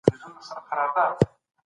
د ښار خوراکي توکي خلکو ته وېشل شول.